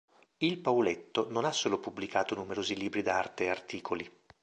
Il Pauletto non ha solo pubblicato numerosi libri d'arte e articoli.